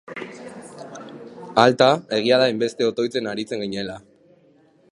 Alta, egia da hainbeste otoitzean aritzen ginela!